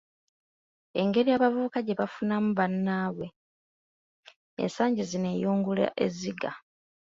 Engeri abavubuka gye bafunamu “bannaabwe” ensangi zino eyungula ezziga.